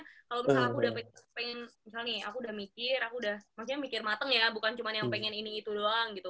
aku suka sebatu itu gitu maksudnya kalo misalnya aku udah pengen misalnya aku udah mikir aku udah maksudnya mikir mateng ya bukan cuma yang pengen ini itu doang gitu